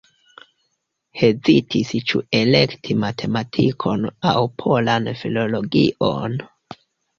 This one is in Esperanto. Hezitis ĉu elekti matematikon aŭ polan filologion.